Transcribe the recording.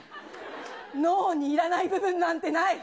脳にいらない部分なんてない。